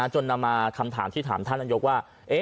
จนนำมาคำถามที่ถามท่านนายกว่า